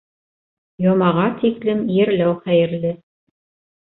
Йомаға тиклем ерләү хәйерле...